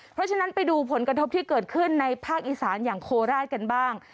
เพราะฉะนั้นไปดูผลกระทบที่เกิดขึ้นในภาคอีสานอย่างโคราชกันบ้าง